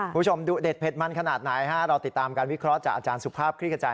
คุณผู้ชมดูเด็ดเด็ดมันขนาดไหนฮะเราติดตามการวิเคราะห์จากอาจารย์สุภาพคลิกกระจาย